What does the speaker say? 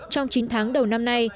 trong chín tháng đầu năm nay